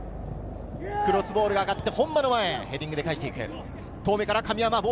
クロスボールが上がって本間の前、ヘディングで返して行く。